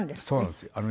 そうなんですよ。